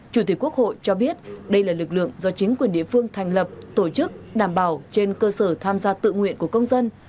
chủ tịch quốc hội cho biết đây là lực lượng do chính quyền địa phương thành lập tổ chức đảm bảo trên cơ sở tham gia tự nguyện của công dân